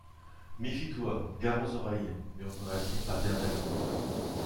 Méfie-toi, gare aux oreilles ! murmura-t-il paternellement